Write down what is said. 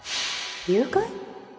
誘拐？